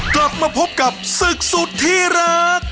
กลับมาพบกับศึกสุดที่รัก